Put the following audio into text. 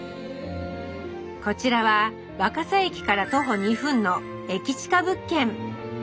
こちらは若桜駅から徒歩２分の駅チカ物件。